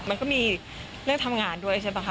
มันก็มีเรื่องทำงานด้วยใช่ป่ะค